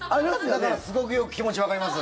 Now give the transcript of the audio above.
だからすごくよく気持ちわかります。